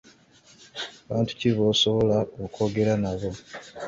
Bantu ki b’osobola okwogera nabo